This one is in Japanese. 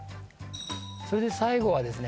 それで最後はですね